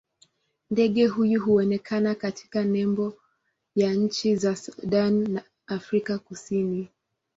Ndege huyu huonekana katika nembo ya nchi za Sudan na Afrika Kusini.